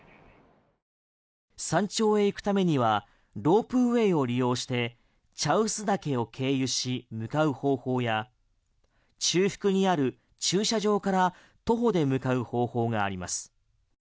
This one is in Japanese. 山頂へ行くためにはロープウェーを利用して茶臼岳を経由し向かう方法や中腹にある駐車場から徒歩で向かう方法があります。